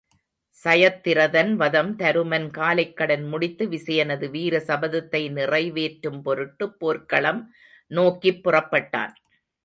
சயத்திரதன் வதம் தருமன் காலைக்கடன் முடித்து விசயனது வீர சபதத்தை நிறைவேற்றும் பொருட்டுப் போர்க்களம் நோக்கிப் புறப்பட்டான்.